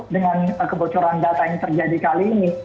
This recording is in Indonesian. dengan kebocoran data yang terjadi kali ini